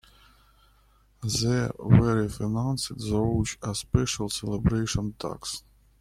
They were financed through a special celebration tax.